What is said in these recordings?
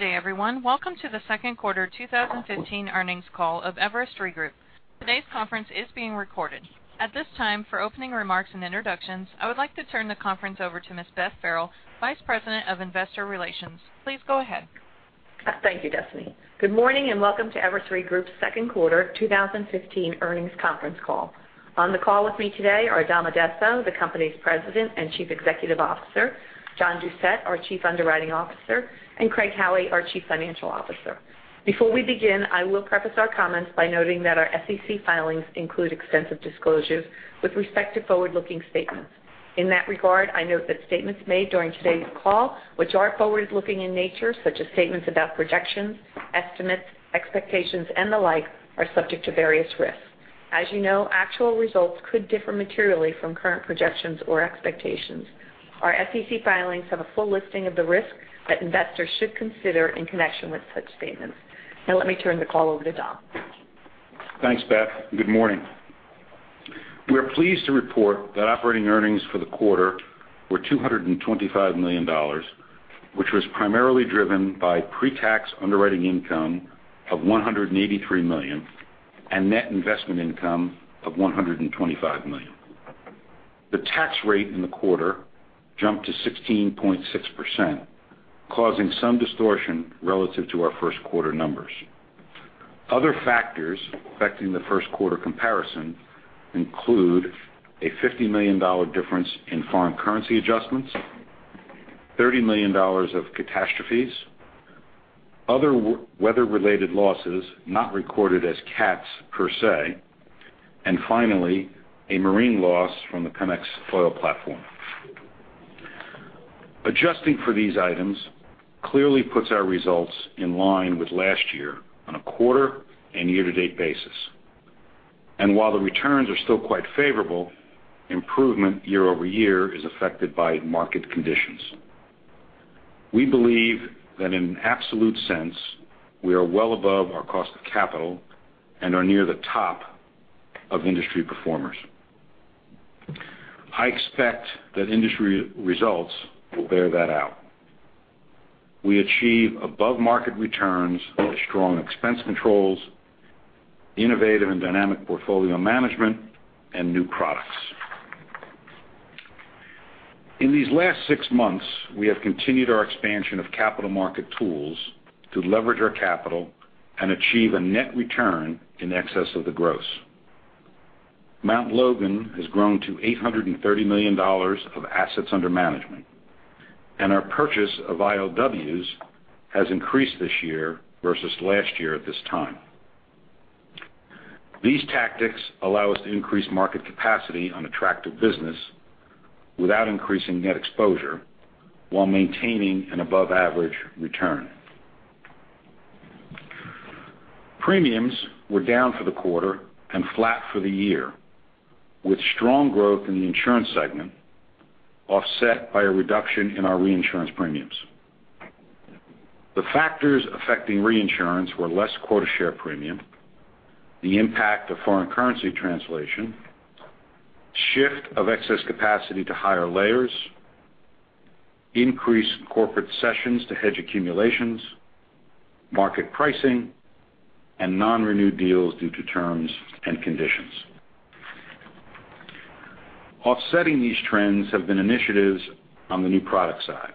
Good day, everyone. Welcome to the second quarter 2015 earnings call of Everest Re Group. Today's conference is being recorded. At this time, for opening remarks and introductions, I would like to turn the conference over to Ms. Beth Farrell, Vice President of Investor Relations. Please go ahead. Thank you, Destiny. Good morning and welcome to Everest Re Group's second quarter 2015 earnings conference call. On the call with me today are Dom Addesso, the company's President and Chief Executive Officer, John Doucette, our Chief Underwriting Officer, and Craig Howie, our Chief Financial Officer. Before we begin, I will preface our comments by noting that our SEC filings include extensive disclosures with respect to forward-looking statements. In that regard, I note that statements made during today's call, which are forward-looking in nature, such as statements about projections, estimates, expectations, and the like, are subject to various risks. As you know, actual results could differ materially from current projections or expectations. Our SEC filings have a full listing of the risks that investors should consider in connection with such statements. Let me turn the call over to Dom. Thanks, Beth. Good morning. We are pleased to report that operating earnings for the quarter were $225 million, which was primarily driven by pre-tax underwriting income of $183 million and net investment income of $125 million. The tax rate in the quarter jumped to 16.6%, causing some distortion relative to our first quarter numbers. Other factors affecting the first quarter comparison include a $50 million difference in foreign currency adjustments, $30 million of catastrophes, other weather-related losses not recorded as cats per se, and finally, a marine loss from the Pemex oil platform. Adjusting for these items clearly puts our results in line with last year on a quarter and year-to-date basis. While the returns are still quite favorable, improvement year-over-year is affected by market conditions. We believe that in an absolute sense, we are well above our cost of capital and are near the top of industry performers. I expect that industry results will bear that out. We achieve above-market returns with strong expense controls, innovative and dynamic portfolio management, and new products. In these last six months, we have continued our expansion of capital market tools to leverage our capital and achieve a net return in excess of the gross. Mount Logan has grown to $830 million of assets under management. Our purchase of ILWs has increased this year versus last year at this time. These tactics allow us to increase market capacity on attractive business without increasing net exposure while maintaining an above-average return. Premiums were down for the quarter and flat for the year, with strong growth in the insurance segment offset by a reduction in our reinsurance premiums. The factors affecting reinsurance were less quota share premium, the impact of foreign currency translation, shift of excess capacity to higher layers, increased corporate cessions to hedge accumulations, market pricing, and non-renewed deals due to terms and conditions. Offsetting these trends have been initiatives on the new product side.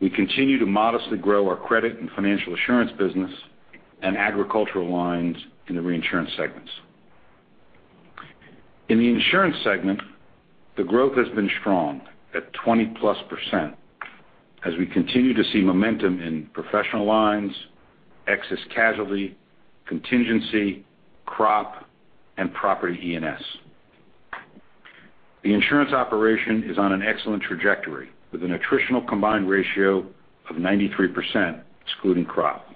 We continue to modestly grow our credit and financial assurance business and agricultural lines in the reinsurance segments. In the insurance segment, the growth has been strong at 20+% as we continue to see momentum in professional lines, excess casualty, contingency, crop, and property E&S. The insurance operation is on an excellent trajectory with an attritional combined ratio of 93%, excluding crop.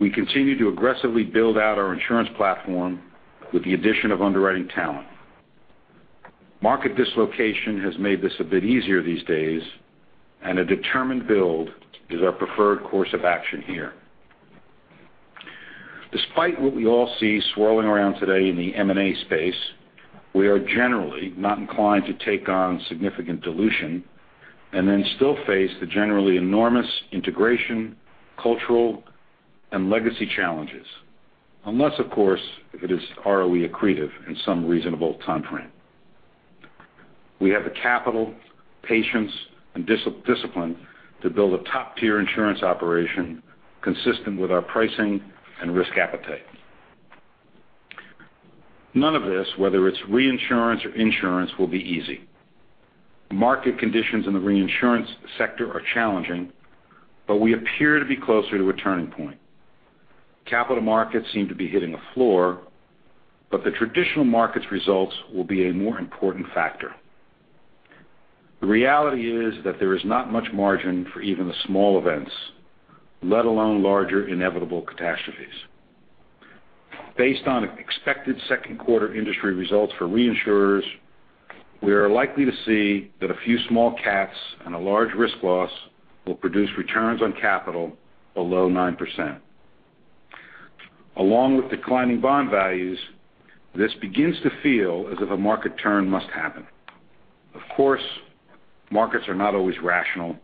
We continue to aggressively build out our insurance platform with the addition of underwriting talent. Market dislocation has made this a bit easier these days, and a determined build is our preferred course of action here. Despite what we all see swirling around today in the M&A space, we are generally not inclined to take on significant dilution and then still face the generally enormous integration, cultural, and legacy challenges, unless of course, if it is ROE accretive in some reasonable timeframe. We have the capital, patience, and discipline to build a top-tier insurance operation consistent with our pricing and risk appetite. None of this, whether it's reinsurance or insurance, will be easy. Market conditions in the reinsurance sector are challenging, but we appear to be closer to a turning point. Capital markets seem to be hitting a floor, but the traditional markets results will be a more important factor. The reality is that there is not much margin for even the small events, let alone larger inevitable catastrophes. Based on expected second quarter industry results for reinsurers, we are likely to see that a few small cats and a large risk loss will produce returns on capital below 9%. Along with declining bond values, this begins to feel as if a market turn must happen. Of course, markets are not always rational,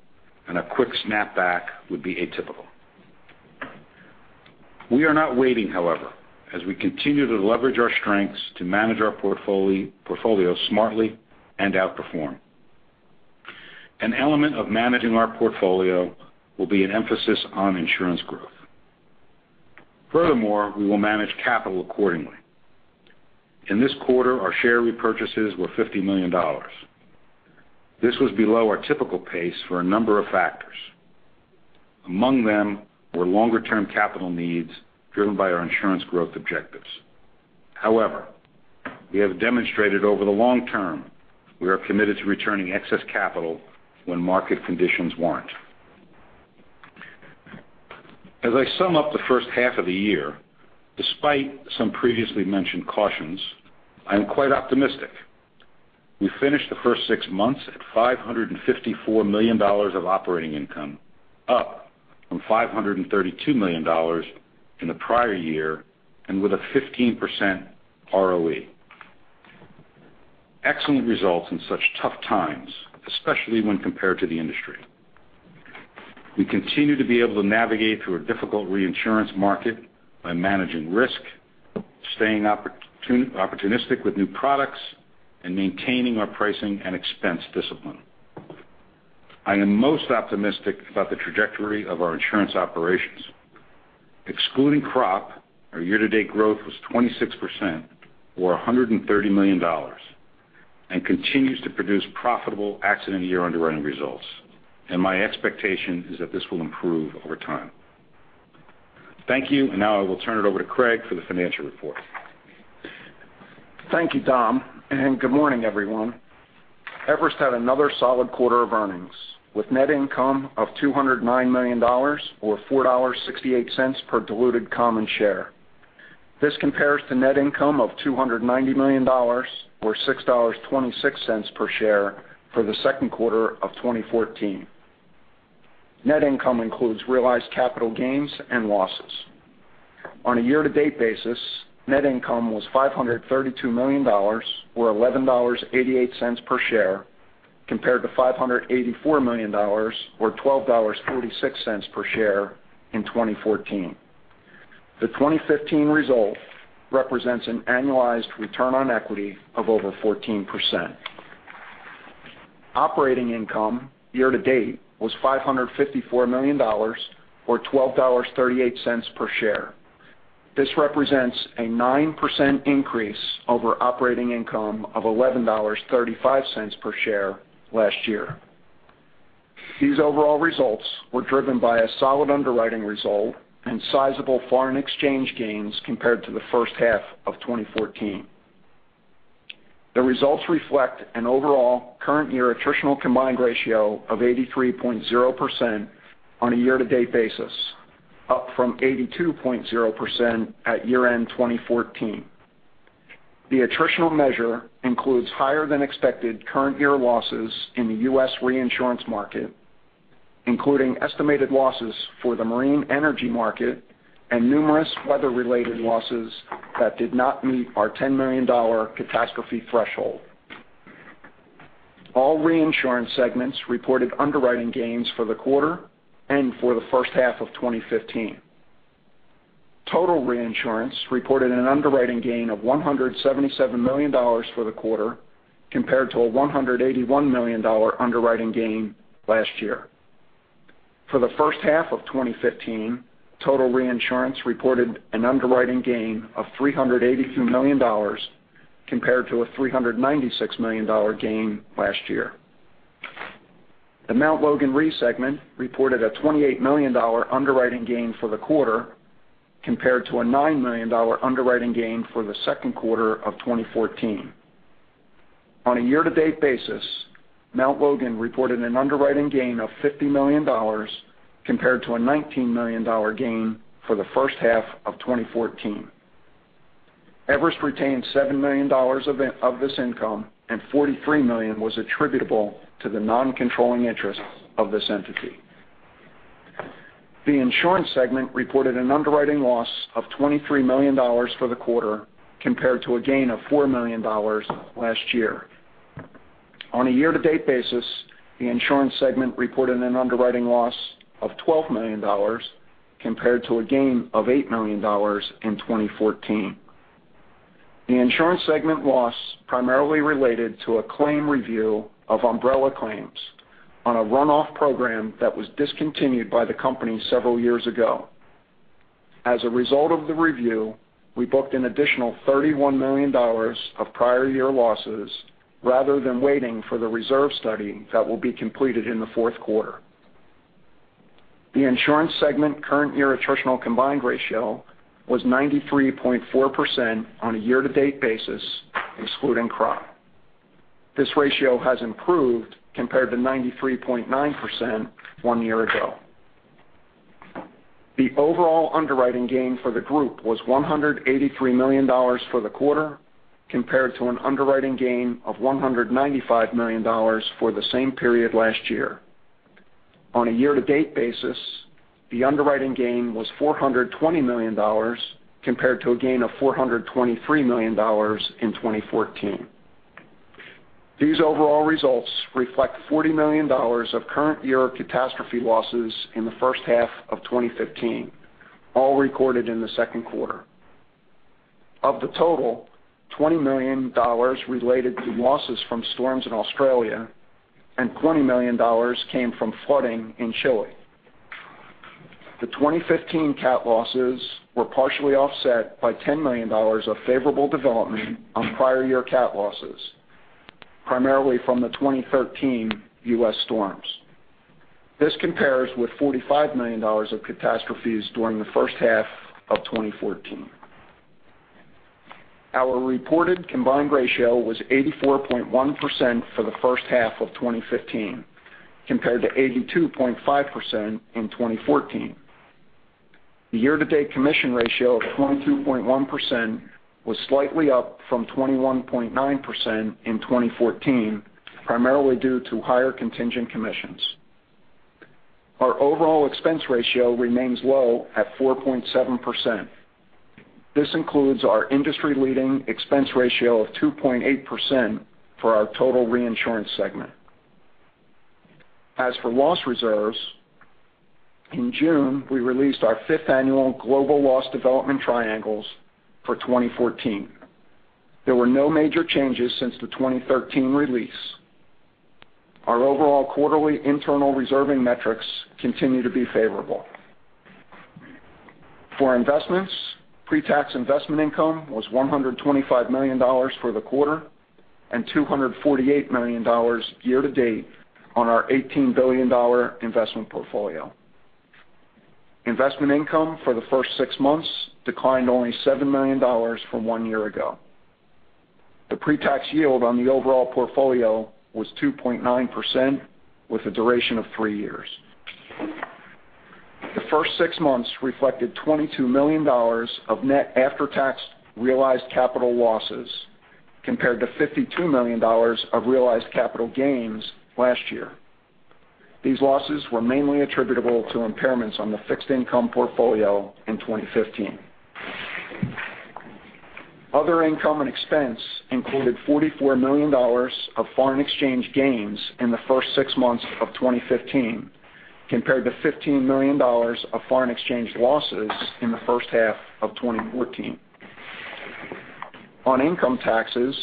and a quick snapback would be atypical. We are not waiting, however, as we continue to leverage our strengths to manage our portfolio smartly and outperform. An element of managing our portfolio will be an emphasis on insurance growth. Furthermore, we will manage capital accordingly. In this quarter, our share repurchases were $50 million. This was below our typical pace for a number of factors. Among them were longer-term capital needs driven by our insurance growth objectives. However, we have demonstrated over the long term we are committed to returning excess capital when market conditions warrant. As I sum up the first half of the year, despite some previously mentioned cautions, I am quite optimistic. We finished the first six months at $554 million of operating income, up from $532 million in the prior year, and with a 15% ROE. Excellent results in such tough times, especially when compared to the industry. We continue to be able to navigate through a difficult reinsurance market by managing risk, staying opportunistic with new products, and maintaining our pricing and expense discipline. I am most optimistic about the trajectory of our insurance operations. Excluding crop, our year-to-date growth was 26%, or $130 million, and continues to produce profitable accident year underwriting results. My expectation is that this will improve over time. Thank you. Now I will turn it over to Craig for the financial report. Thank you, Dom, and good morning, everyone. Everest had another solid quarter of earnings, with net income of $209 million or $4.68 per diluted common share. This compares to net income of $290 million or $6.26 per share for the second quarter of 2014. Net income includes realized capital gains and losses. On a year-to-date basis, net income was $532 million, or $11.88 per share, compared to $584 million, or $12.46 per share in 2014. The 2015 result represents an annualized return on equity of over 14%. Operating income year to date was $554 million, or $12.38 per share. This represents a 9% increase over operating income of $11.35 per share last year. These overall results were driven by a solid underwriting result and sizable foreign exchange gains compared to the first half of 2014. The results reflect an overall current year attritional combined ratio of 83.0% on a year-to-date basis, up from 82.0% at year-end 2014. The attritional measure includes higher-than-expected current year losses in the U.S. reinsurance market, including estimated losses for the marine energy market and numerous weather-related losses that did not meet our $10 million catastrophe threshold. All reinsurance segments reported underwriting gains for the quarter and for the first half of 2015. Total reinsurance reported an underwriting gain of $177 million for the quarter, compared to a $181 million underwriting gain last year. For the first half of 2015, total reinsurance reported an underwriting gain of $382 million, compared to a $396 million gain last year. The Mt. Logan Re segment reported a $28 million underwriting gain for the quarter, compared to a $9 million underwriting gain for the second quarter of 2014. On a year-to-date basis, Mount Logan reported an underwriting gain of $50 million, compared to a $19 million gain for the first half of 2014. Everest retained $7 million of this income, and $43 million was attributable to the non-controlling interest of this entity. The insurance segment reported an underwriting loss of $23 million for the quarter, compared to a gain of $4 million last year. On a year-to-date basis, the insurance segment reported an underwriting loss of $12 million, compared to a gain of $8 million in 2014. The insurance segment loss primarily related to a claim review of umbrella claims on a runoff program that was discontinued by the company several years ago. As a result of the review, we booked an additional $31 million of prior year losses rather than waiting for the reserve study that will be completed in the fourth quarter. The insurance segment current year attritional combined ratio was 93.4% on a year-to-date basis, excluding crop. This ratio has improved compared to 93.9% one year ago. The overall underwriting gain for the group was $183 million for the quarter, compared to an underwriting gain of $195 million for the same period last year. On a year-to-date basis, the underwriting gain was $420 million compared to a gain of $423 million in 2014. These overall results reflect $40 million of current year catastrophe losses in the first half of 2015, all recorded in the second quarter. Of the total, $20 million related to losses from storms in Australia and $20 million came from flooding in Chile. The 2015 cat losses were partially offset by $10 million of favorable development on prior year cat losses, primarily from the 2013 U.S. storms. This compares with $45 million of catastrophes during the first half of 2014. Our reported combined ratio was 84.1% for the first half of 2015, compared to 82.5% in 2014. The year-to-date commission ratio of 22.1% was slightly up from 21.9% in 2014, primarily due to higher contingent commissions. Our overall expense ratio remains low at 4.7%. This includes our industry-leading expense ratio of 2.8% for our total reinsurance segment. As for loss reserves, in June, we released our fifth annual global loss development triangles for 2014. There were no major changes since the 2013 release. Our overall quarterly internal reserving metrics continue to be favorable. For investments, pretax investment income was $125 million for the quarter and $248 million year to date on our $18 billion investment portfolio. Investment income for the first six months declined only $7 million from one year ago. The pretax yield on the overall portfolio was 2.9% with a duration of three years. The first six months reflected $22 million of net after-tax realized capital losses, compared to $52 million of realized capital gains last year. These losses were mainly attributable to impairments on the fixed income portfolio in 2015. Other income and expense included $44 million of foreign exchange gains in the first six months of 2015, compared to $15 million of foreign exchange losses in the first half of 2014. On income taxes,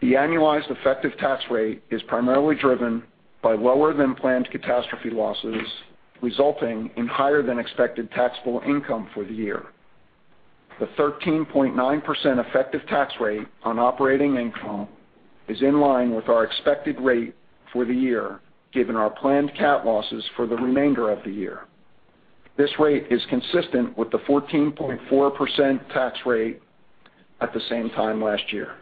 the annualized effective tax rate is primarily driven by lower-than-planned catastrophe losses, resulting in higher-than-expected taxable income for the year. The 13.9% effective tax rate on operating income is in line with our expected rate for the year, given our planned cat losses for the remainder of the year. This rate is consistent with the 14.4% tax rate at the same time last year.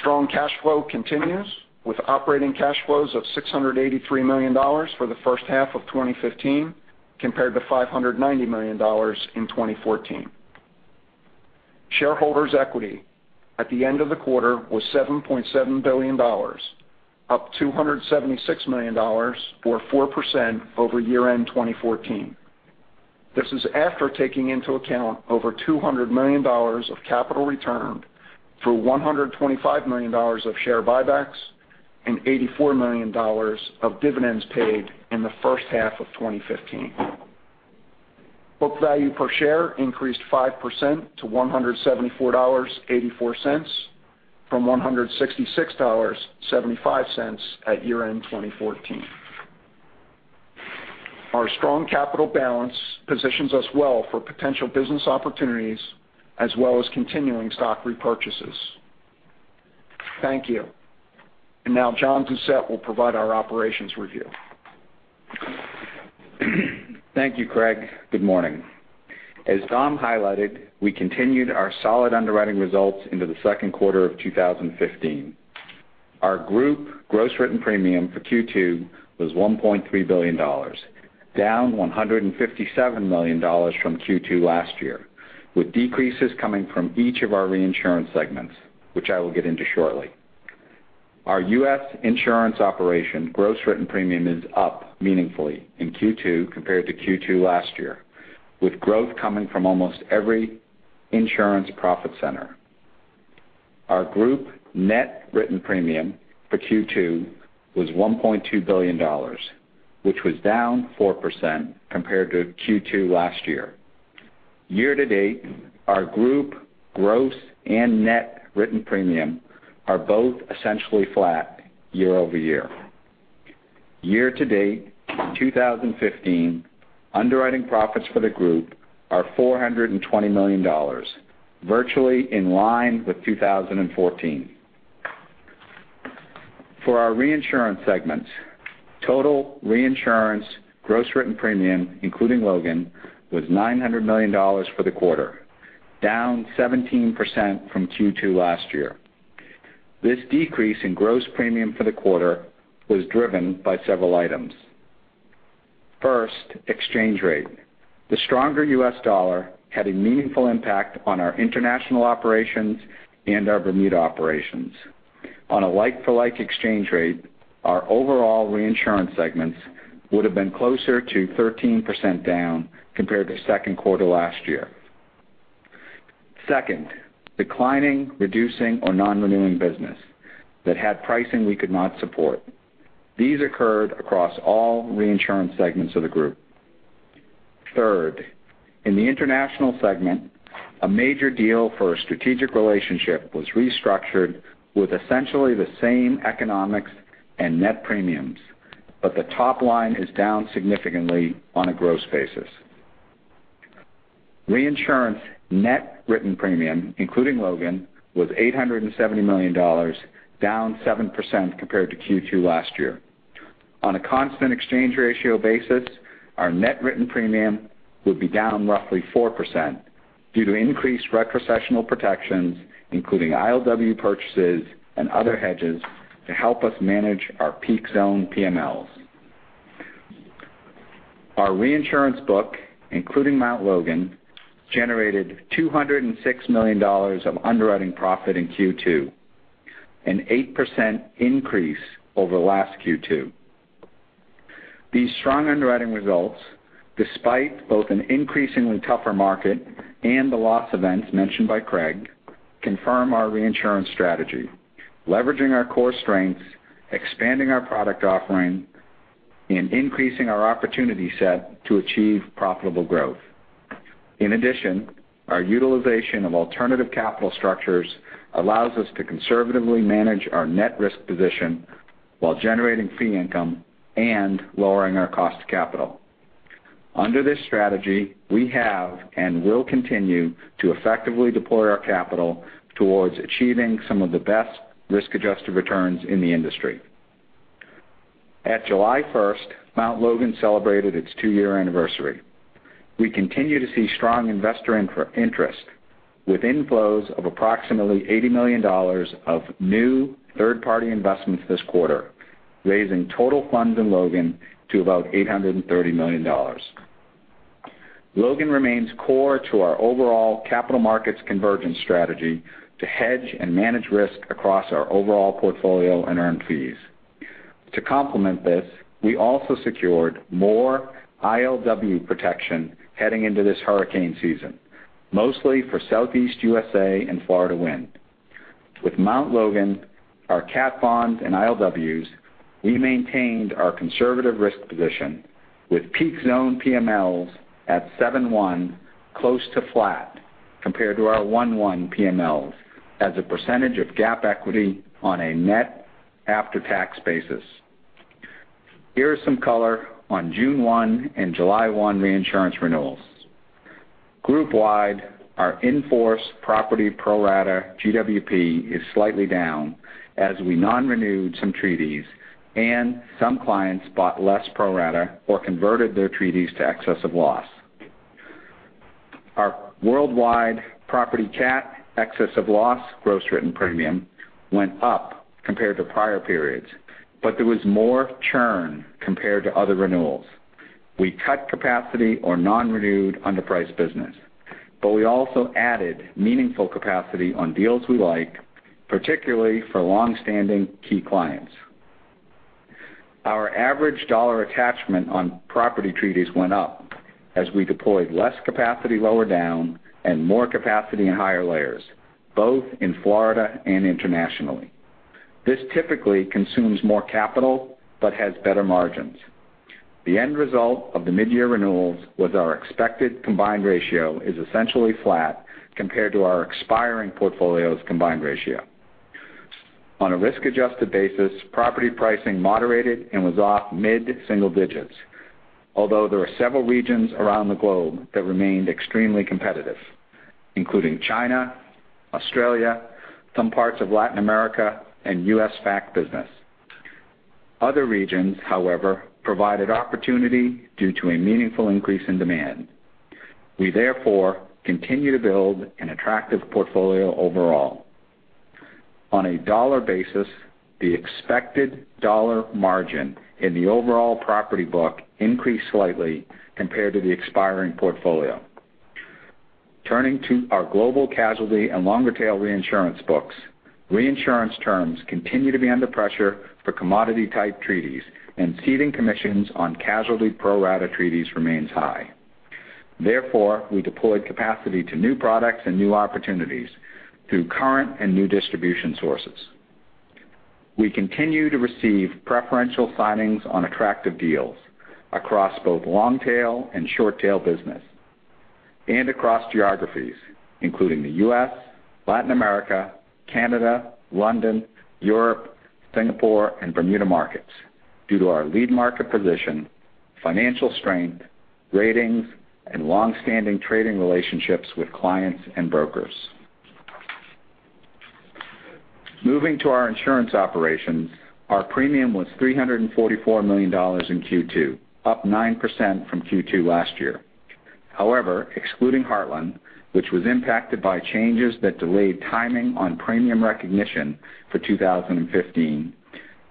Strong cash flow continues, with operating cash flows of $683 million for the first half of 2015, compared to $590 million in 2014. Shareholders' equity at the end of the quarter was $7.7 billion, up $276 million, or 4%, over year-end 2014. This is after taking into account over $200 million of capital returned through $125 million of share buybacks and $84 million of dividends paid in the first half of 2015. Book value per share increased 5% to $174.84 from $166.75 at year-end 2014. Thank you. Now John Doucette will provide our operations review. Thank you, Craig. Good morning. As Dom highlighted, we continued our solid underwriting results into the second quarter of 2015. Our group gross written premium for Q2 was $1.3 billion, down $157 million from Q2 last year, with decreases coming from each of our reinsurance segments, which I will get into shortly. Our U.S. insurance operation gross written premium is up meaningfully in Q2 compared to Q2 last year, with growth coming from almost every insurance profit center. Our group net written premium for Q2 was $1.2 billion, which was down 4% compared to Q2 last year. Year to date, our group gross and net written premium are both essentially flat year-over-year. Year to date in 2015, underwriting profits for the group are $420 million, virtually in line with 2014. For our reinsurance segment, total reinsurance gross written premium, including Logan, was $900 million for the quarter, down 17% from Q2 last year. This decrease in gross premium for the quarter was driven by several items. First, exchange rate. The stronger US dollar had a meaningful impact on our international operations and our Bermuda operations. On a like-for-like exchange rate, our overall reinsurance segments would have been closer to 13% down compared to second quarter last year. Second, declining, reducing, or non-renewing business that had pricing we could not support. These occurred across all reinsurance segments of the group. Third, in the international segment, a major deal for a strategic relationship was restructured with essentially the same economics and net premiums, but the top line is down significantly on a gross basis. Reinsurance net written premium, including Logan, was $870 million, down 7% compared to Q2 last year. On a constant exchange ratio basis, our net written premium would be down roughly 4% due to increased retrocessional protections, including ILW purchases and other hedges to help us manage our peak zone PMLs. Our reinsurance book, including Mount Logan, generated $206 million of underwriting profit in Q2, an 8% increase over last Q2. These strong underwriting results, despite both an increasingly tougher market and the loss events mentioned by Craig, confirm our reinsurance strategy: leveraging our core strengths, expanding our product offering, and increasing our opportunity set to achieve profitable growth. Our utilization of alternative capital structures allows us to conservatively manage our net risk position while generating fee income and lowering our cost of capital. Under this strategy, we have and will continue to effectively deploy our capital towards achieving some of the best risk-adjusted returns in the industry. At July 1st, Mount Logan celebrated its two-year anniversary. We continue to see strong investor interest with inflows of approximately $80 million of new third-party investments this quarter, raising total funds in Logan to about $830 million. Logan remains core to our overall capital markets convergence strategy to hedge and manage risk across our overall portfolio and earn fees. To complement this, we also secured more ILW protection heading into this hurricane season, mostly for Southeast U.S.A. and Florida Wind. With Mount Logan, our cat bonds, and ILWs, we maintained our conservative risk position with peak zone PMLs at seven one close to flat compared to our one-one PMLs as a percentage of GAAP equity on a net after-tax basis. Here is some color on June 1 and July 1 reinsurance renewals. Group-wide, our in-force property pro-rata GWP is slightly down as we non-renewed some treaties and some clients bought less pro-rata or converted their treaties to excess of loss. Our worldwide property cat excess of loss gross written premium went up compared to prior periods, but there was more churn compared to other renewals. We cut capacity or non-renewed underpriced business. We also added meaningful capacity on deals we like, particularly for long-standing key clients. Our average dollar attachment on property treaties went up as we deployed less capacity lower down and more capacity in higher layers, both in Florida and internationally. This typically consumes more capital but has better margins. The end result of the mid-year renewals was our expected combined ratio is essentially flat compared to our expiring portfolio's combined ratio. On a risk-adjusted basis, property pricing moderated and was off mid-single digits, although there are several regions around the globe that remained extremely competitive, including China, Australia, some parts of Latin America, and U.S. FAC business. Other regions, however, provided opportunity due to a meaningful increase in demand. We therefore continue to build an attractive portfolio overall. On a dollar basis, the expected dollar margin in the overall property book increased slightly compared to the expiring portfolio. Turning to our global casualty and longer-tail reinsurance books, reinsurance terms continue to be under pressure for commodity type treaties and ceding commissions on casualty pro-rata treaties remains high. Therefore, we deployed capacity to new products and new opportunities through current and new distribution sources. We continue to receive preferential signings on attractive deals across both long-tail and short-tail business and across geographies, including the U.S., Latin America, Canada, London, Europe, Singapore, and Bermuda markets due to our lead market position, financial strength, ratings, and long-standing trading relationships with clients and brokers. Moving to our insurance operations, our premium was $344 million in Q2, up 9% from Q2 last year. However, excluding Heartland, which was impacted by changes that delayed timing on premium recognition for 2015,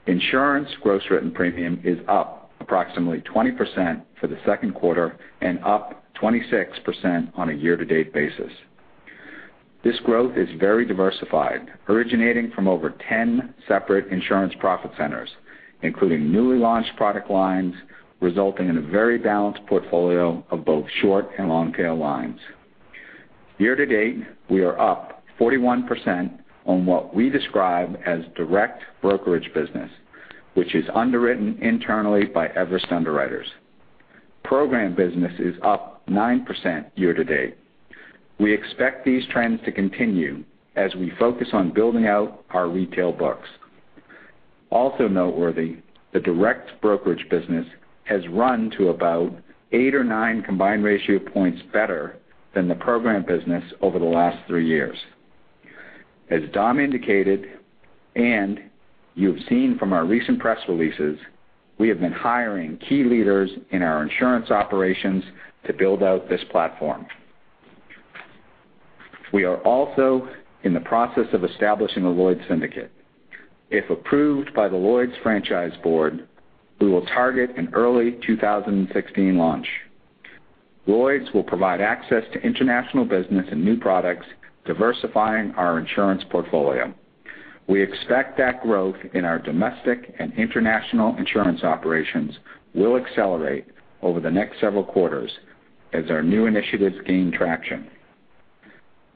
insurance gross written premium is up approximately 20% for the second quarter and up 26% on a year-to-date basis. This growth is very diversified, originating from over 10 separate insurance profit centers, including newly launched product lines, resulting in a very balanced portfolio of both short and long-tail lines. Year to date, we are up 41% on what we describe as direct brokerage business, which is underwritten internally by Everest Underwriters. Program business is up 9% year to date. We expect these trends to continue as we focus on building out our retail books. Also noteworthy, the direct brokerage business has run to about eight or nine combined ratio points better than the program business over the last three years. As Dom indicated, and you've seen from our recent press releases, we have been hiring key leaders in our insurance operations to build out this platform. We are also in the process of establishing a Lloyd's syndicate. If approved by the Lloyd's Franchise Board, we will target an early 2016 launch. Lloyd's will provide access to international business and new products, diversifying our insurance portfolio. We expect that growth in our domestic and international insurance operations will accelerate over the next several quarters as our new initiatives gain traction.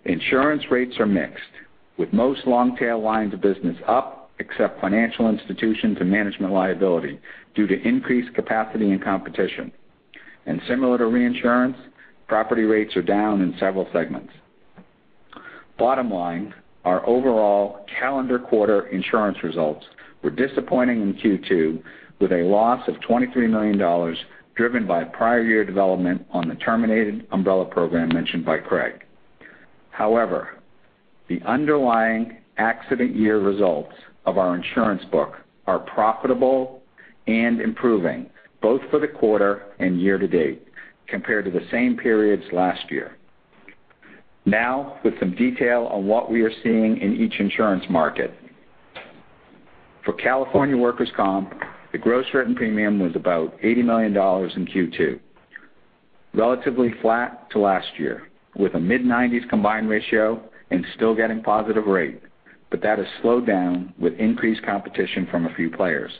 Insurance rates are mixed, with most long-tail lines of business up except financial institutions and management liability due to increased capacity and competition. Similar to reinsurance, property rates are down in several segments. Bottom line, our overall calendar quarter insurance results were disappointing in Q2, with a loss of $23 million driven by prior-year development on the terminated umbrella program mentioned by Craig. However, the underlying accident year results of our insurance book are profitable and improving, both for the quarter and year to date compared to the same periods last year. Now with some detail on what we are seeing in each insurance market. For California workers' comp, the gross written premium was about $80 million in Q2, relatively flat to last year, with a mid-90s combined ratio and still getting positive rate. That has slowed down with increased competition from a few players.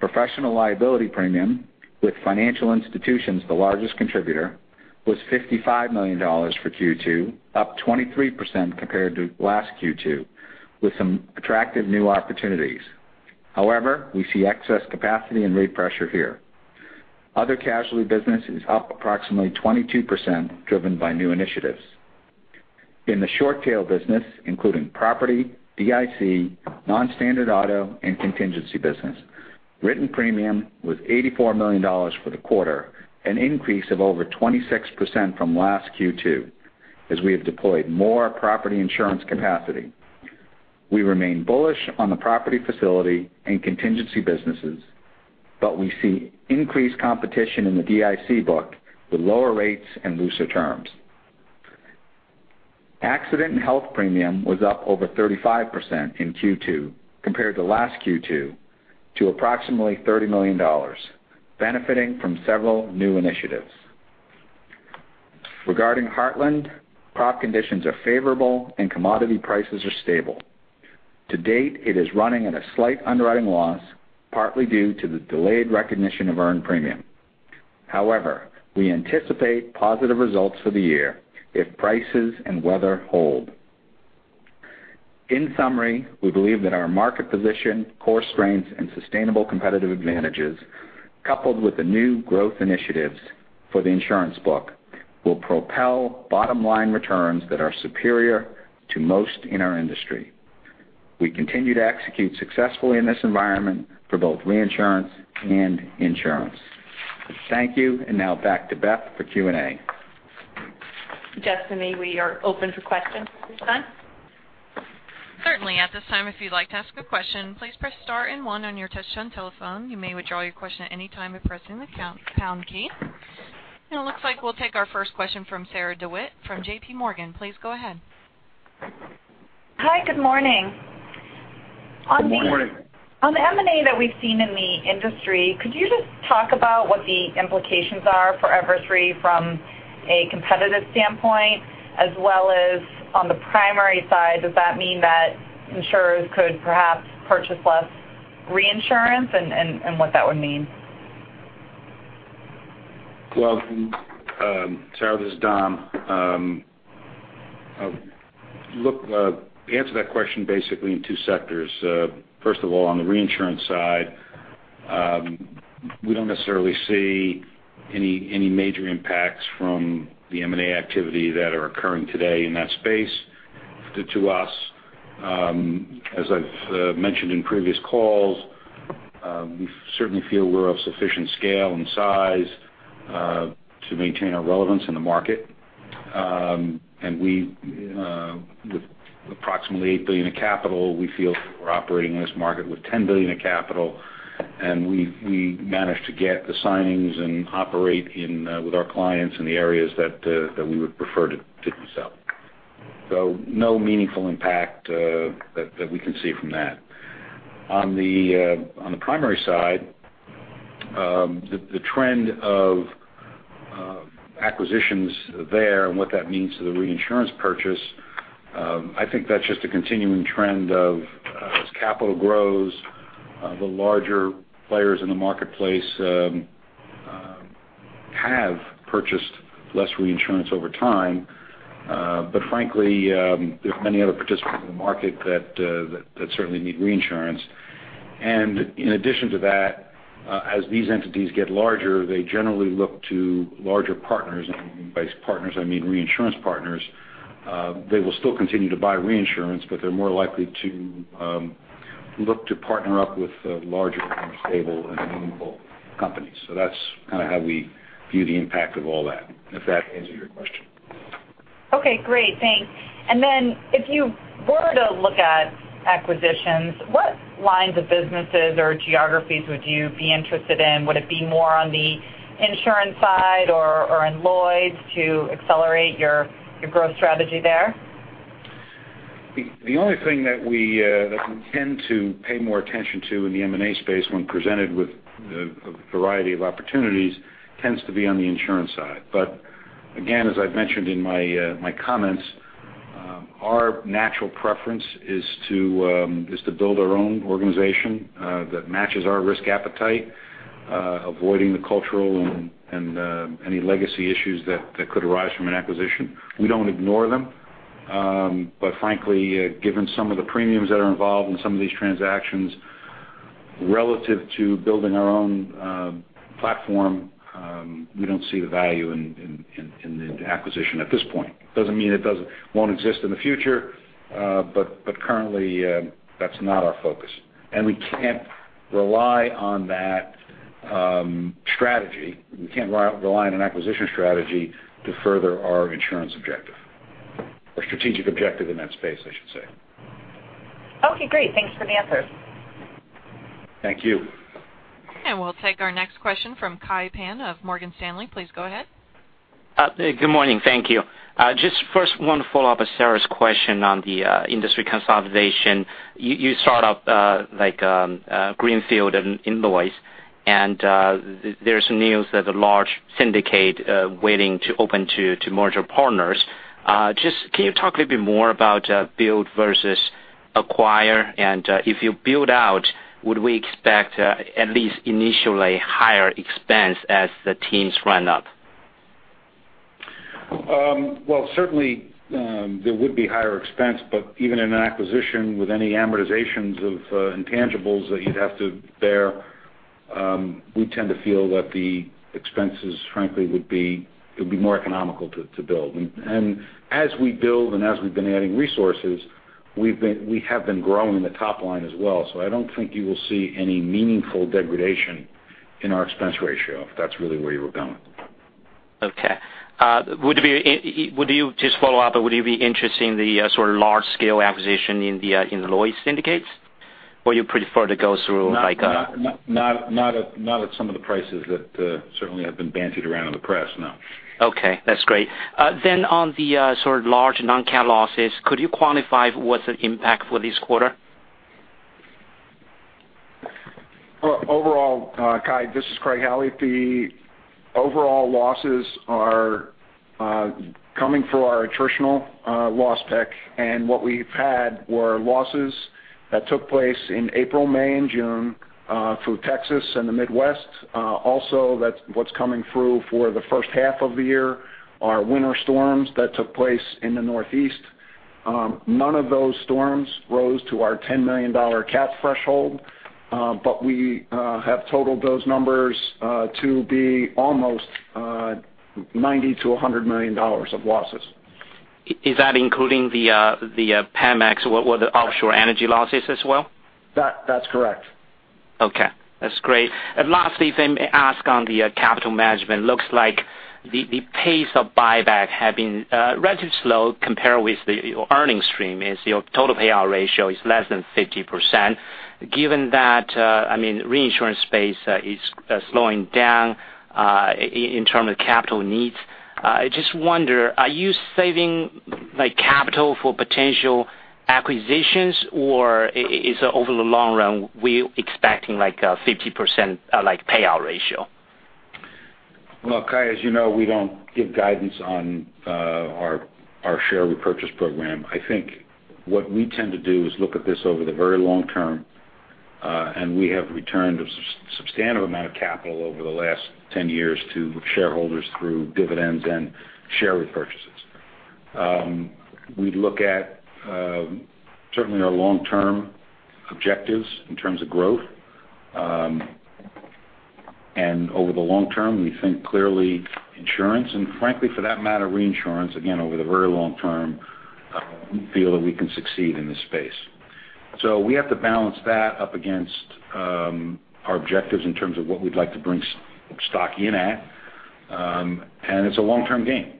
Professional liability premium, with financial institutions the largest contributor, was $55 million for Q2, up 23% compared to last Q2, with some attractive new opportunities. However, we see excess capacity and rate pressure here. Other casualty business is up approximately 22%, driven by new initiatives. In the short tail business, including property, DIC, non-standard auto and contingency business, written premium was $84 million for the quarter, an increase of over 26% from last Q2, as we have deployed more property insurance capacity. We remain bullish on the property facility and contingency businesses, but we see increased competition in the DIC book with lower rates and looser terms. Accident and health premium was up over 35% in Q2 compared to last Q2 to approximately $30 million, benefiting from several new initiatives. Regarding Heartland, crop conditions are favorable and commodity prices are stable. To date, it is running at a slight underwriting loss, partly due to the delayed recognition of earned premium. However, we anticipate positive results for the year if prices and weather hold. In summary, we believe that our market position, core strengths, and sustainable competitive advantages, coupled with the new growth initiatives for the insurance book, will propel bottom-line returns that are superior to most in our industry. We continue to execute successfully in this environment for both reinsurance and insurance. Thank you. Now back to Beth for Q&A. Destiny, we are open for questions at this time. Certainly. At this time, if you'd like to ask a question, please press star and one on your touchtone telephone. You may withdraw your question at any time by pressing the pound key. It looks like we'll take our first question from Sarah DeWitt from JPMorgan. Please go ahead. Hi, good morning. Good morning. On the M&A that we've seen in the industry, could you just talk about what the implications are for Everest from a competitive standpoint as well as on the primary side? Does that mean that insurers could perhaps purchase less reinsurance, and what that would mean? Well, Sarah, this is Dom. Look, to answer that question basically in two sectors. First of all, on the reinsurance side, we don't necessarily see any major impacts from the M&A activity that are occurring today in that space. To us, as I've mentioned in previous calls, we certainly feel we're of sufficient scale and size to maintain our relevance in the market With approximately $8 billion in capital, we feel we're operating in this market with $10 billion in capital, and we managed to get the signings and operate with our clients in the areas that we would prefer to themselves. No meaningful impact that we can see from that. On the primary side, the trend of acquisitions there and what that means to the reinsurance purchase, I think that's just a continuing trend of, as capital grows, the larger players in the marketplace have purchased less reinsurance over time. Frankly, there's many other participants in the market that certainly need reinsurance. In addition to that, as these entities get larger, they generally look to larger partners. By partners, I mean reinsurance partners. They will still continue to buy reinsurance, but they're more likely to look to partner up with larger, more stable, and meaningful companies. That's kind of how we view the impact of all that, if that answered your question. Okay, great. Thanks. If you were to look at acquisitions, what lines of businesses or geographies would you be interested in? Would it be more on the insurance side or in Lloyd's to accelerate your growth strategy there? The only thing that we tend to pay more attention to in the M&A space when presented with a variety of opportunities tends to be on the insurance side. Again, as I've mentioned in my comments, our natural preference is to build our own organization that matches our risk appetite, avoiding the cultural and any legacy issues that could arise from an acquisition. We don't ignore them. Frankly, given some of the premiums that are involved in some of these transactions, relative to building our own platform, we don't see the value in the acquisition at this point. Doesn't mean it won't exist in the future, but currently, that's not our focus. We can't rely on that strategy. We can't rely on an acquisition strategy to further our insurance objective or strategic objective in that space, I should say. Okay, great. Thanks for the answers. Thank you. We'll take our next question from Kai Pan of Morgan Stanley. Please go ahead. Good morning. Thank you. Just first want to follow up with Sarah's question on the industry consolidation. You start up like Greenfield and in Lloyd's, and there's news that the large syndicate waiting to open to merger partners. Just can you talk a little bit more about build versus acquire? If you build out, would we expect at least initially higher expense as the teams run up? Well, certainly, there would be higher expense, but even in an acquisition with any amortizations of intangibles that you'd have to bear, we tend to feel that the expenses, frankly, it would be more economical to build. As we build and as we've been adding resources, we have been growing the top line as well. I don't think you will see any meaningful degradation in our expense ratio, if that's really where you were going. Okay. Just follow up, but would you be interested in the sort of large-scale acquisition in the Lloyd's syndicates, or you prefer to go through? Not at some of the prices that certainly have been bandied around in the press, no. Okay, that's great. On the sort of large non-cat losses, could you quantify what's the impact for this quarter? Overall, Kai, this is Craig Howie. The overall losses are coming through our attritional loss pick, and what we've had were losses that took place in April, May, and June through Texas and the Midwest. Also that's what's coming through for the first half of the year, our winter storms that took place in the Northeast. None of those storms rose to our $10 million cat threshold. We have totaled those numbers to be almost $90 million-$100 million of losses. Is that including the Pemex or the offshore energy losses as well? That's correct. Okay, that's great. Lastly, if I may ask on the capital management, looks like the pace of buyback have been relatively slow compared with the earnings stream as your total payout ratio is less than 50%. Given that, I mean, reinsurance space is slowing down in terms of capital needs, I just wonder, are you saving capital for potential acquisitions, or is it over the long run, we're expecting like a 50% payout ratio? Well, Kai, as you know, we don't give guidance on our share repurchase program. I think what we tend to do is look at this over the very long term, and we have returned a substantial amount of capital over the last 10 years to shareholders through dividends and share repurchases. We look at certainly our long-term objectives in terms of growth. Over the long term, we think clearly insurance, and frankly, for that matter, reinsurance, again, over the very long term, we feel that we can succeed in this space. We have to balance that up against our objectives in terms of what we'd like to bring stock in at. It's a long-term game.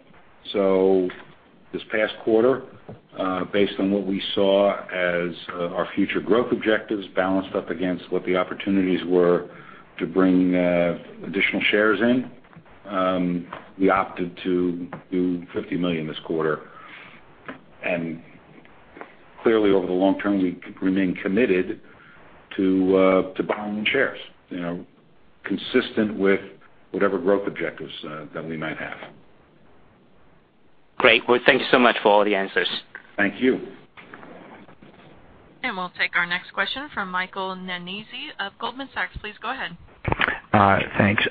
This past quarter, based on what we saw as our future growth objectives balanced up against what the opportunities were to bring additional shares in, we opted to do $50 million this quarter. Clearly, over the long term, we remain committed to buying shares consistent with whatever growth objectives that we might have. Great. Well, thank you so much for all the answers. Thank you. We'll take our next question from Michael Nannizzi of Goldman Sachs. Please go ahead. Thanks.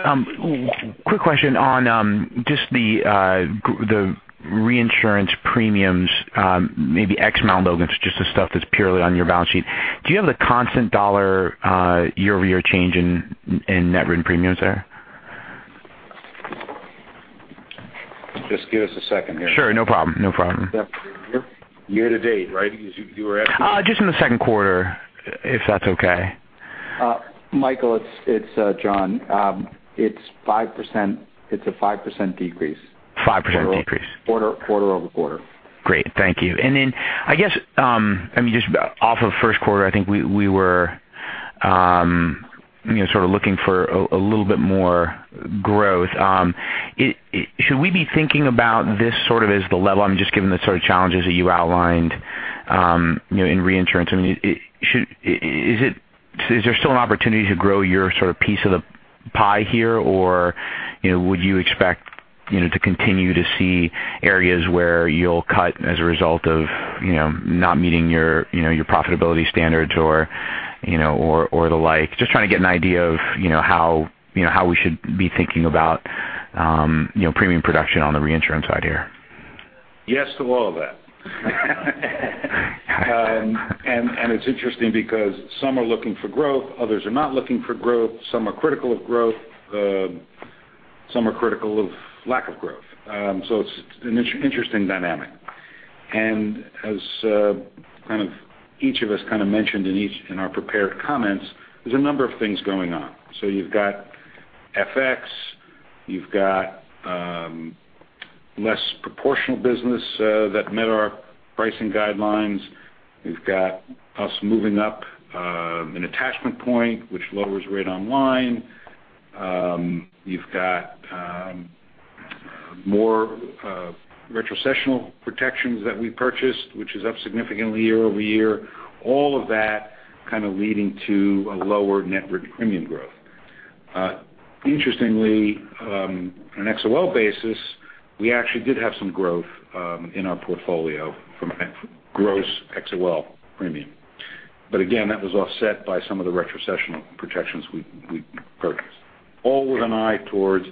Quick question on just the reinsurance premiums, maybe X amount of it, just the stuff that's purely on your balance sheet. Do you have the constant dollar year-over-year change in net written premiums there? Just give us a second here. Sure. No problem. Year to date, right? You were asking- Just in the second quarter, if that's okay. Michael, it's John. It's a 5% decrease. 5% decrease. Quarter over quarter. Great. Thank you. I guess, just off of first quarter, I think we were sort of looking for a little bit more growth. Should we be thinking about this sort of as the level, just given the sort of challenges that you outlined in reinsurance? Is there still an opportunity to grow your sort of piece of the pie here, or would you expect to continue to see areas where you'll cut as a result of not meeting your profitability standards or the like. Just trying to get an idea of how we should be thinking about premium production on the reinsurance side here. Yes to all of that. It's interesting because some are looking for growth, others are not looking for growth. Some are critical of growth, some are critical of lack of growth. It's an interesting dynamic. As kind of each of us kind of mentioned in our prepared comments, there's a number of things going on. You've got FX, you've got less proportional business that met our pricing guidelines. You've got us moving up an attachment point which lowers right online. You've got more retrocessional protections that we purchased, which is up significantly year-over-year. All of that kind of leading to a lower net written premium growth. Interestingly, on an XOL basis, we actually did have some growth in our portfolio from gross XOL premium. Again, that was offset by some of the retrocessional protections we purchased, all with an eye towards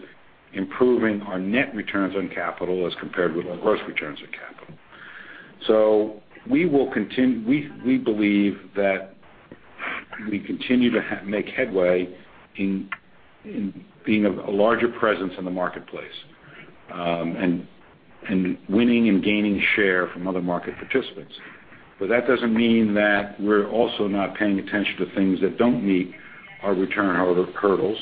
improving our net returns on capital as compared with our gross returns on capital. We believe that we continue to make headway in being a larger presence in the marketplace, and winning and gaining share from other market participants. That doesn't mean that we're also not paying attention to things that don't meet our return hurdles.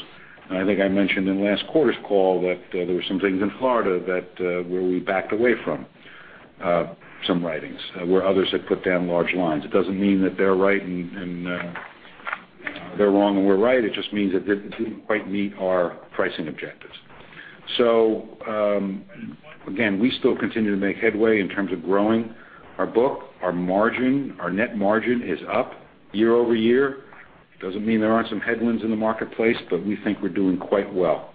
I think I mentioned in last quarter's call that there were some things in Florida where we backed away from some writings, where others had put down large lines. It doesn't mean that they're right and they're wrong, and we're right. It just means that it didn't quite meet our pricing objectives. Again, we still continue to make headway in terms of growing our book, our margin. Our net margin is up year-over-year. It doesn't mean there aren't some headwinds in the marketplace, but we think we're doing quite well.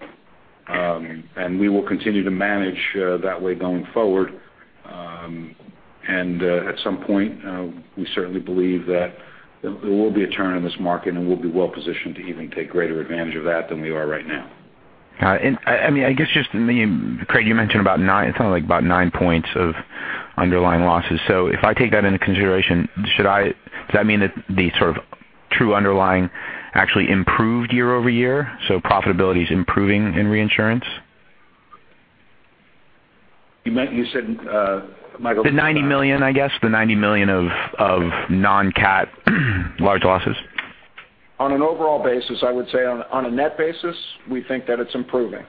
We will continue to manage that way going forward. At some point, we certainly believe that there will be a turn in this market, and we'll be well positioned to even take greater advantage of that than we are right now. I guess just Craig, you mentioned about 9 points of underlying losses. If I take that into consideration, does that mean that the sort of true underlying actually improved year-over-year, so profitability is improving in reinsurance? You said, Michael. The $90 million, I guess. The $90 million of non-CAT large losses. On an overall basis, I would say on a net basis, we think that it's improving.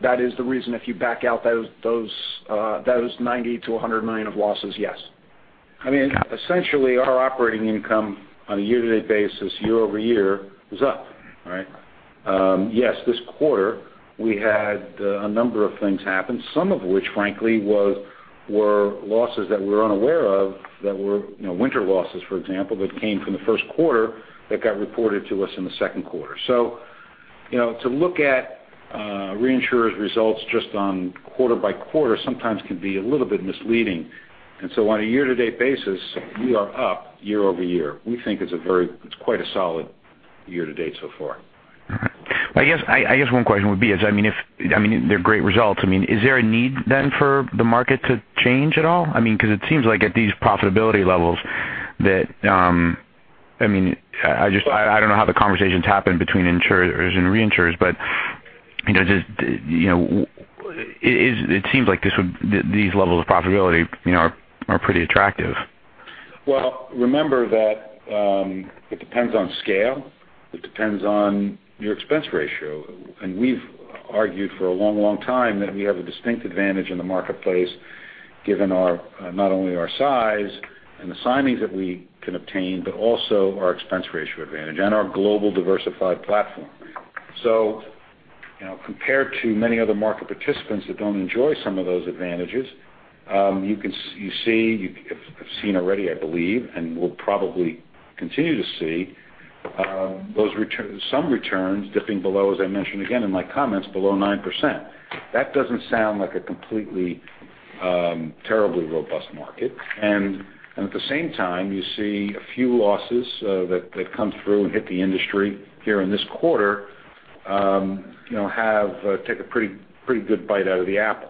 That is the reason, if you back out those $90 million-$100 million of losses, yes. Essentially our operating income on a year-to-date basis, year-over-year is up, right. This quarter we had a number of things happen, some of which frankly were losses that we were unaware of that were winter losses, for example, that came from the first quarter that got reported to us in the second quarter. To look at reinsurers' results just on quarter-by-quarter sometimes can be a little bit misleading. On a year-to-date basis, we are up year-over-year. We think it's quite a solid year to date so far. All right. I guess one question would be, they're great results. Is there a need then for the market to change at all? It seems like at these profitability levels that I don't know how the conversations happen between insurers and reinsurers, but it seems like these levels of profitability are pretty attractive. Remember that it depends on scale, it depends on your expense ratio. We've argued for a long time that we have a distinct advantage in the marketplace, given not only our size and the signings that we can obtain, but also our expense ratio advantage and our global diversified platform. Compared to many other market participants that don't enjoy some of those advantages, you've seen already, I believe, and we'll probably continue to see some returns dipping below, as I mentioned again in my comments, below 9%. That doesn't sound like a completely terribly robust market. At the same time, you see a few losses that come through and hit the industry here in this quarter, take a pretty good bite out of the apple.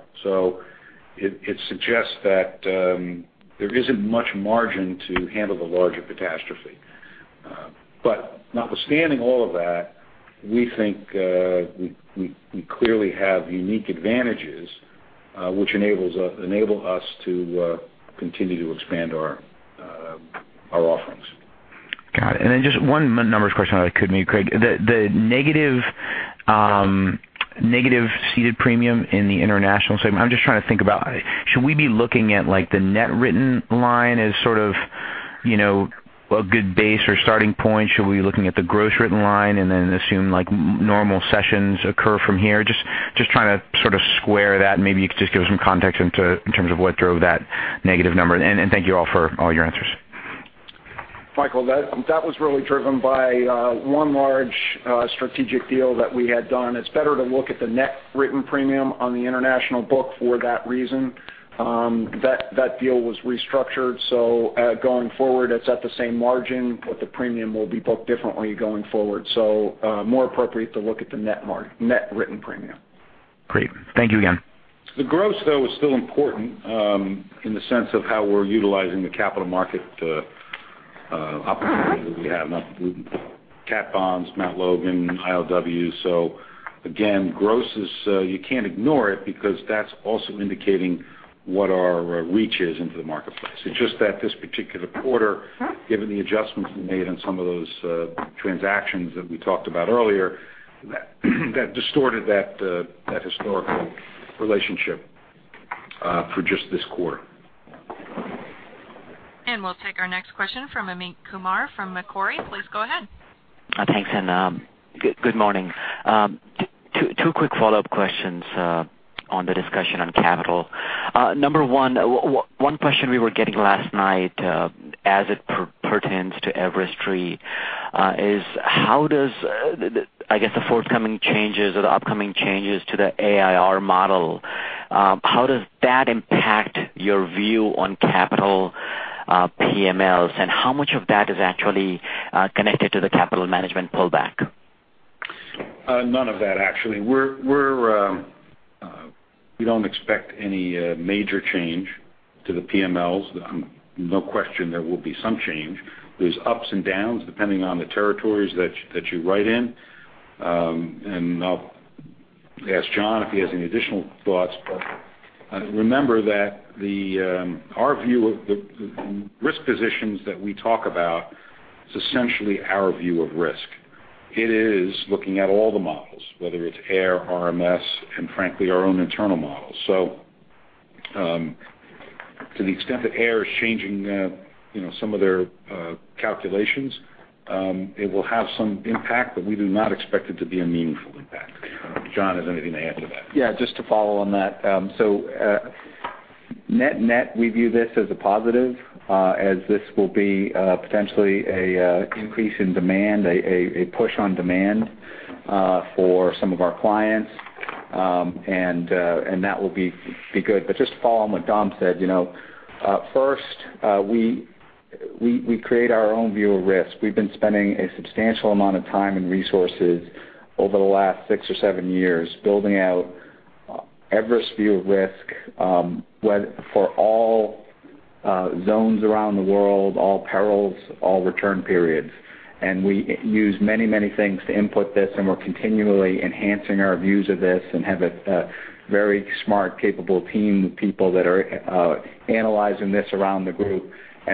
It suggests that there isn't much margin to handle the larger catastrophe. Notwithstanding all of that, we think we clearly have unique advantages which enable us to continue to expand our offerings. Got it. Just one numbers question if I could, Craig. The negative ceded premium in the international segment, I'm just trying to think about, should we be looking at the net written line as sort of a good base or starting point? Should we be looking at the gross written line and then assume normal cessions occur from here? Just trying to sort of square that, maybe you could just give us some context in terms of what drove that negative number. Thank you all for all your answers. Michael, that was really driven by one large strategic deal that we had done. It's better to look at the net written premium on the international book for that reason. That deal was restructured, going forward, it's at the same margin, but the premium will be booked differently going forward. More appropriate to look at the net written premium. Great. Thank you again. The gross, though, is still important in the sense of how we're utilizing the capital market opportunity that we have, cat bonds, Mt. Logan, ILW. Again, gross, you can't ignore it because that's also indicating what our reach is into the marketplace. It's just that this particular quarter, given the adjustments we made on some of those transactions that we talked about earlier, that distorted that historical relationship for just this quarter. We'll take our next question from Amit Kumar from Macquarie. Please go ahead. Thanks, good morning. Two quick follow-up questions on the discussion on capital. Number one question we were getting last night as it pertains to Everest Re is, I guess the forthcoming changes or the upcoming changes to the AIR model, how does that impact your view on capital PMLs, and how much of that is actually connected to the capital management pullback? None of that, actually. We don't expect any major change to the PMLs. No question there will be some change. There's ups and downs depending on the territories that you write in. I'll ask John if he has any additional thoughts. Remember that our view of the risk positions that we talk about is essentially our view of risk. It is looking at all the models, whether it's AIR, RMS, and frankly, our own internal models. To the extent that AIR is changing some of their calculations, it will have some impact, but we do not expect it to be a meaningful impact. I don't know if John has anything to add to that. Yeah, just to follow on that. Net-net, we view this as a positive, as this will be potentially an increase in demand, a push on demand for some of our clients. That will be good. Just to follow on what Dom said, first, we create our own view of risk. We've been spending a substantial amount of time and resources over the last six or seven years building out Everest's view of risk for all zones around the world, all perils, all return periods. We use many things to input this, and we're continually enhancing our views of this and have a very smart, capable team of people that are analyzing this around the group.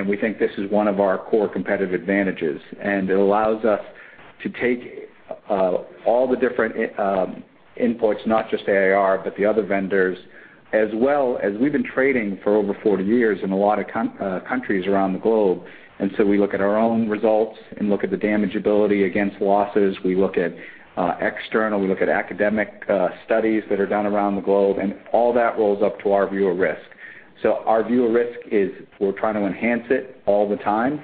We think this is one of our core competitive advantages. It allows us to take all the different inputs, not just AIR, but the other vendors as well, as we've been trading for over 40 years in a lot of countries around the globe. We look at our own results and look at the damageability against losses. We look at external, we look at academic studies that are done around the globe, and all that rolls up to our view of risk. Our view of risk is we're trying to enhance it all the time,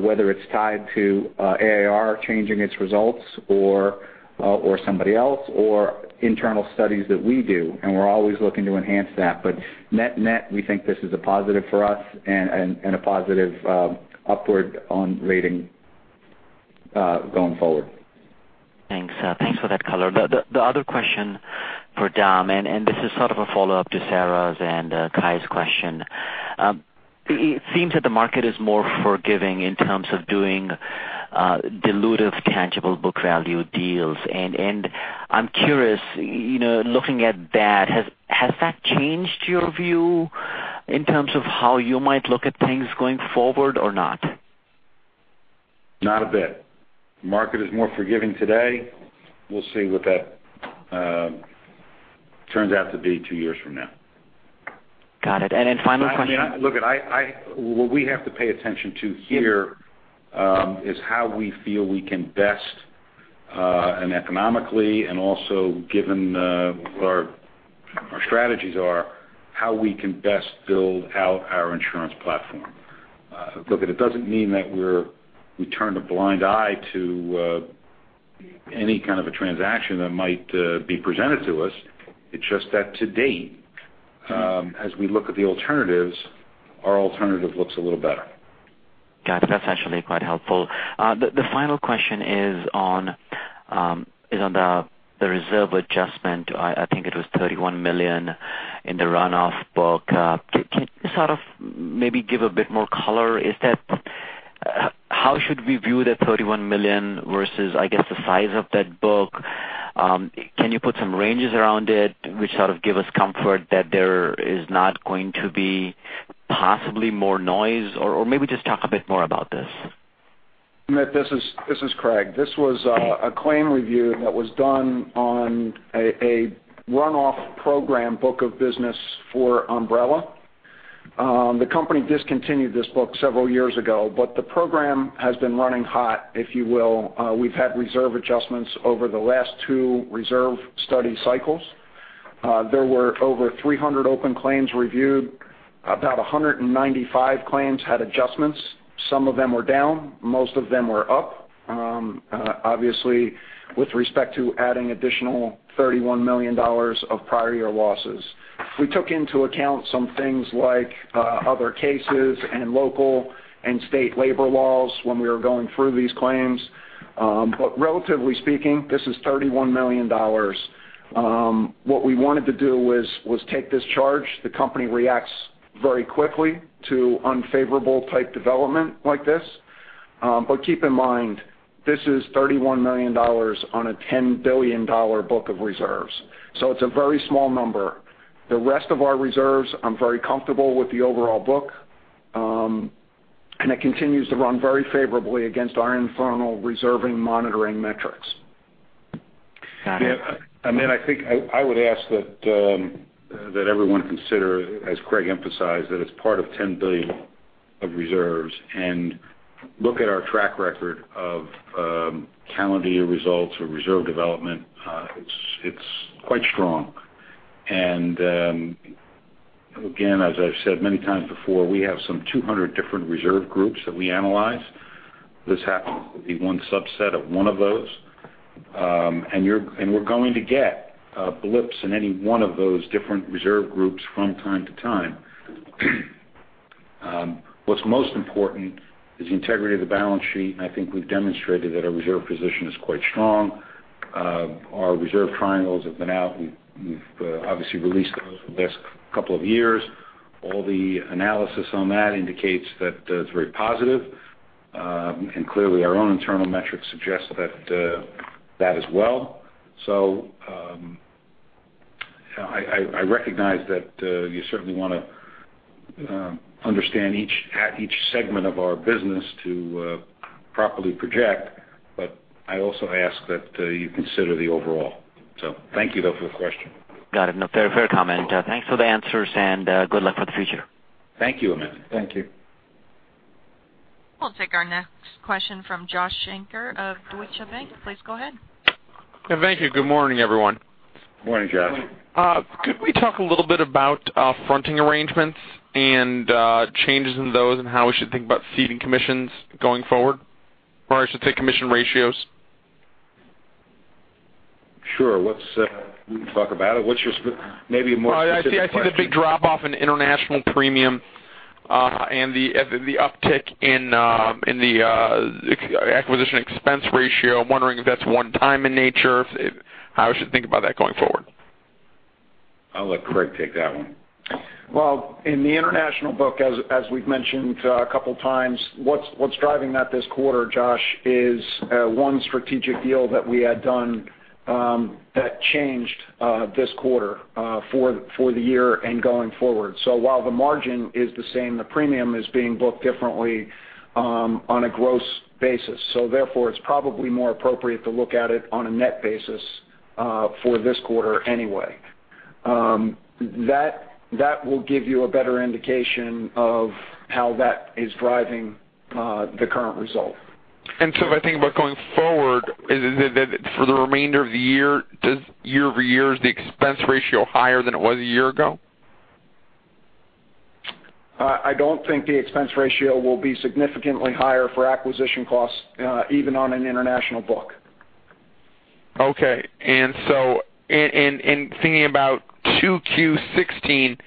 whether it's tied to AIR changing its results or somebody else or internal studies that we do, and we're always looking to enhance that. Net-net, we think this is a positive for us and a positive upward on rating going forward. Thanks for that color. The other question for Dom, this is sort of a follow-up to Sarah's and Kai's question. It seems that the market is more forgiving in terms of doing dilutive tangible book value deals. I'm curious, looking at that, has that changed your view in terms of how you might look at things going forward or not? Not a bit. Market is more forgiving today. We'll see what that turns out to be two years from now. Got it. Final question. Look, what we have to pay attention to here is how we feel we can best and economically, and also given what our strategies are, how we can best build out our insurance platform. Look, it doesn't mean that we turn a blind eye to any kind of a transaction that might be presented to us. It's just that to date, as we look at the alternatives, our alternative looks a little better. Got it. That's actually quite helpful. The final question is on the reserve adjustment. I think it was $31 million in the runoff book. Can you maybe give a bit more color? How should we view the $31 million versus, I guess, the size of that book? Can you put some ranges around it which give us comfort that there is not going to be possibly more noise? Maybe just talk a bit more about this. Amit, this is Craig. This was a claim review that was done on a runoff program book of business for Umbrella. The company discontinued this book several years ago. The program has been running hot, if you will. We've had reserve adjustments over the last two reserve study cycles. There were over 300 open claims reviewed. About 195 claims had adjustments. Some of them were down, most of them were up, obviously with respect to adding additional $31 million of prior year losses. We took into account some things like other cases and local and state labor laws when we were going through these claims. Relatively speaking, this is $31 million. What we wanted to do was take this charge. The company reacts very quickly to unfavorable type development like this. Keep in mind, this is $31 million on a $10 billion book of reserves, so it's a very small number. The rest of our reserves, I'm very comfortable with the overall book. It continues to run very favorably against our internal reserving monitoring metrics. Got it. Amit, I think I would ask that everyone consider, as Craig emphasized, that it's part of $10 billion of reserves, and look at our track record of calendar year results or reserve development. It's quite strong. Again, as I've said many times before, we have some 200 different reserve groups that we analyze. This happens to be one subset of one of those. We're going to get blips in any one of those different reserve groups from time to time. What's most important is the integrity of the balance sheet, and I think we've demonstrated that our reserve position is quite strong. Our reserve triangles have been out. We've obviously released those the last couple of years. All the analysis on that indicates that it's very positive. Clearly our own internal metrics suggest that as well. I recognize that you certainly want to understand each segment of our business to properly project, but I also ask that you consider the overall. Thank you though for the question. Got it. No, fair comment. Thanks for the answers, and good luck for the future. Thank you, Amit. Thank you. We'll take our next question from Josh Shanker of Deutsche Bank. Please go ahead. Thank you. Good morning, everyone. Morning, Josh. Could we talk a little bit about fronting arrangements and changes in those and how we should think about ceding commissions going forward? I should say commission ratios. Sure. We can talk about it. What's your maybe more specific question? I see the big drop off in international premium, and the uptick in the acquisition expense ratio. I'm wondering if that's one-time in nature. How I should think about that going forward? I'll let Craig take that one. Well, in the international book, as we've mentioned a couple of times, what's driving that this quarter, Josh, is one strategic deal that we had done that changed this quarter for the year and going forward. While the margin is the same, the premium is being booked differently on a gross basis. Therefore, it's probably more appropriate to look at it on a net basis for this quarter anyway. That will give you a better indication of how that is driving the current result. If I think about going forward, for the remainder of the year-over-year, is the expense ratio higher than it was a year ago? I don't think the expense ratio will be significantly higher for acquisition costs even on an international book. Okay. Thinking about 2Q16,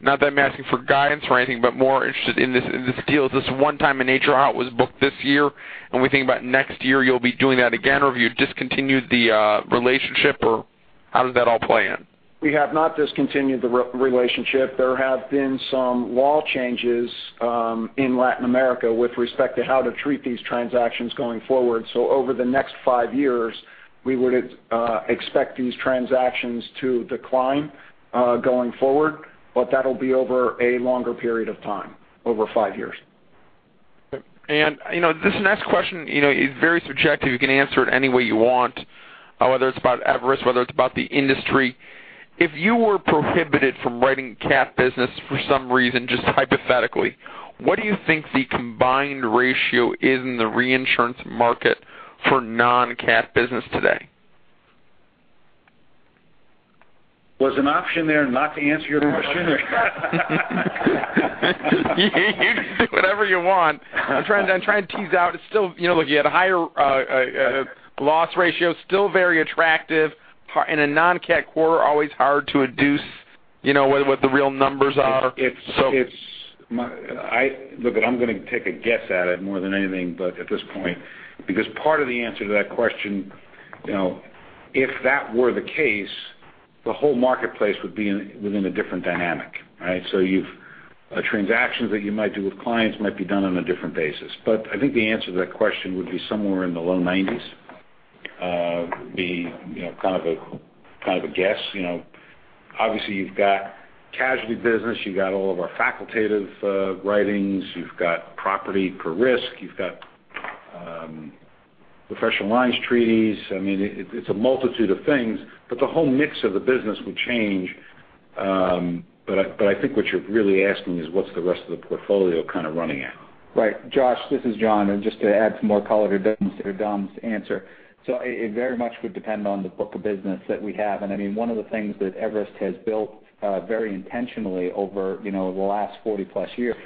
not that I'm asking for guidance or anything, but more interested in this deal. Is this one-time in nature, how it was booked this year? When we think about next year, you'll be doing that again, or have you discontinued the relationship? How does that all play in? We have not discontinued the relationship. There have been some law changes in Latin America with respect to how to treat these transactions going forward. Over the next five years, we would expect these transactions to decline going forward. That'll be over a longer period of time, over five years. This next question is very subjective. You can answer it any way you want, whether it's about Everest, whether it's about the industry. If you were prohibited from writing cat business for some reason, just hypothetically, what do you think the combined ratio is in the reinsurance market for non-cat business today? Was an option there not to answer your question? You can do whatever you want. I'm trying to tease out. Looking at higher loss ratio, still very attractive in a non-cat quarter, always hard to deduce what the real numbers are. I'm going to take a guess at it more than anything, but at this point, because part of the answer to that question, if that were the case, the whole marketplace would be within a different dynamic, right? Transactions that you might do with clients might be done on a different basis. I think the answer to that question would be somewhere in the low 90s. Be kind of a guess. Obviously, you've got casualty business, you've got all of our facultative writings, you've got property per risk, you've got professional lines treaties. It's a multitude of things, but the whole mix of the business would change. I think what you're really asking is what's the rest of the portfolio kind of running at. Right. Josh, this is John. Just to add some more color to Dom's answer. It very much would depend on the book of business that we have. One of the things that Everest has built very intentionally over the last 40 plus years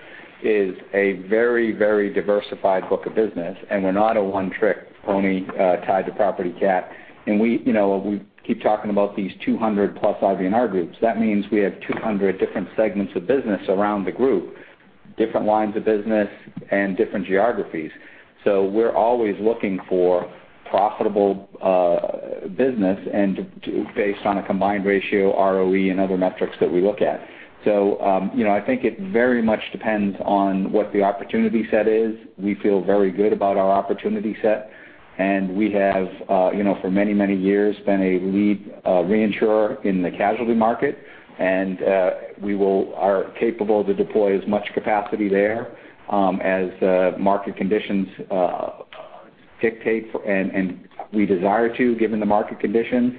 is a very diversified book of business. We're not a one trick pony tied to property cat. We keep talking about these 200 plus IBNR groups. That means we have 200 different segments of business around the group, different lines of business and different geographies. We're always looking for profitable business and based on a combined ratio, ROE and other metrics that we look at. I think it very much depends on what the opportunity set is. We feel very good about our opportunity set, and we have for many years been a lead reinsurer in the casualty market. We are capable to deploy as much capacity there as market conditions dictate, and we desire to, given the market conditions.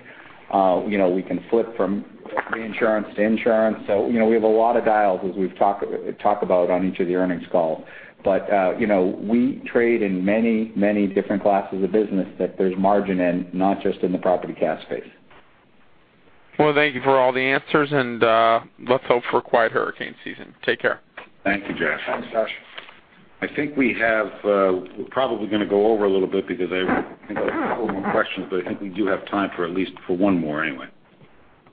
We can flip from reinsurance to insurance. We have a lot of dials as we've talked about on each of the earnings calls. We trade in many different classes of business that there's margin in, not just in the property cat space. Well, thank you for all the answers, and let's hope for a quiet hurricane season. Take care. Thank you, Josh. Thanks, Josh. I think we're probably going to go over a little bit because I think a couple more questions, but I think we do have time for at least for one more anyway.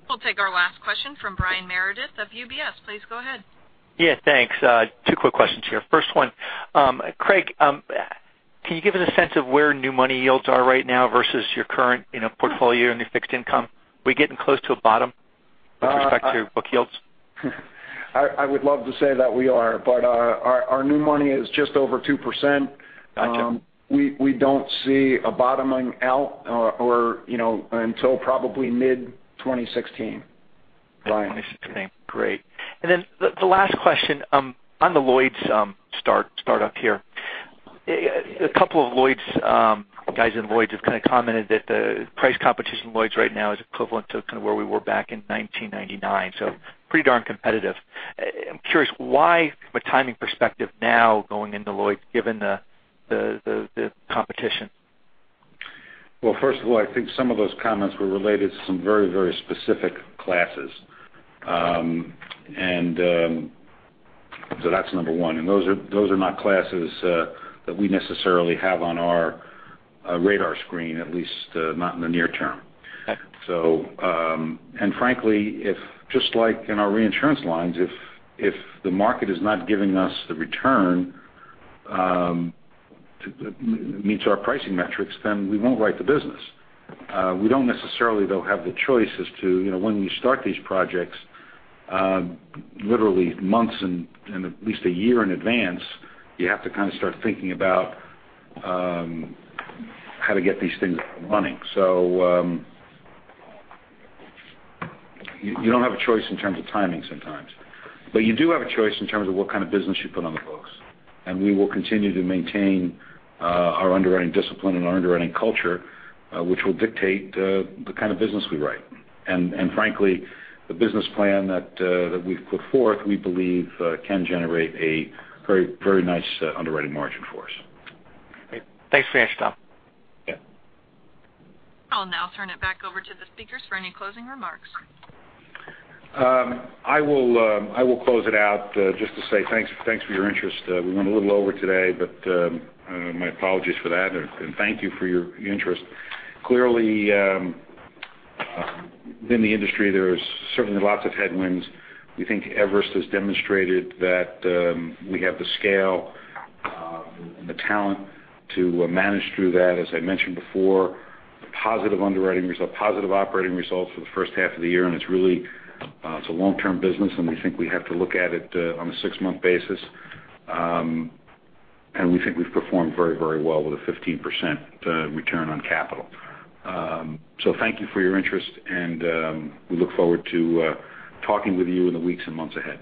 We'll take our last question from Brian Meredith of UBS. Please go ahead. Yeah, thanks. Two quick questions here. First one, Craig, can you give us a sense of where new money yields are right now versus your current portfolio in your fixed income? Are we getting close to a bottom with respect to book yields? I would love to say that we are. Our new money is just over 2%. Got you. We don't see a bottoming out until probably mid-2016, Brian. Great. The last question on the Lloyd's startup here. A couple of guys in Lloyd's have kind of commented that the price competition in Lloyd's right now is equivalent to kind of where we were back in 1999, so pretty darn competitive. I'm curious why, from a timing perspective now going into Lloyd's, given the competition? Well, first of all, I think some of those comments were related to some very specific classes. That's number 1. Those are not classes that we necessarily have on our radar screen, at least not in the near term. Okay. Frankly, if just like in our reinsurance lines, if the market is not giving us the return that meets our pricing metrics, we won't write the business. We don't necessarily, though, have the choice as to when you start these projects literally months and at least a year in advance, you have to kind of start thinking about how to get these things up and running. You don't have a choice in terms of timing sometimes. You do have a choice in terms of what kind of business you put on the books. We will continue to maintain our underwriting discipline and our underwriting culture, which will dictate the kind of business we write. Frankly, the business plan that we've put forth, we believe can generate a very nice underwriting margin for us. Great. Thanks for the answer, Dom. Yeah. I'll now turn it back over to the speakers for any closing remarks. I will close it out just to say thanks for your interest. We went a little over today, but my apologies for that, and thank you for your interest. Clearly, within the industry, there's certainly lots of headwinds. We think Everest has demonstrated that we have the scale and the talent to manage through that. As I mentioned before, positive underwriting results, positive operating results for the first half of the year, and it's a long-term business, and we think we have to look at it on a six-month basis. We think we've performed very well with a 15% return on capital. Thank you for your interest, and we look forward to talking with you in the weeks and months ahead.